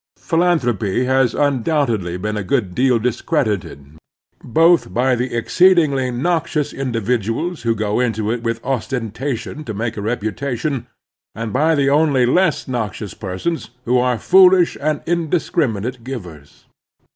Philanthropy has tmdoubtedly been a good deal discredited both by the exceed ingly noxious individuals who go into it with ostentation to make a reputation, and by the only less noxious persons who are foolish and indis criminate givers.